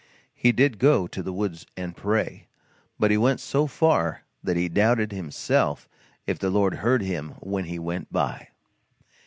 He did go to the woods and pray; but he went so far that he doubted, himself, if the Lord heard him when He went by.